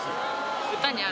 歌にある。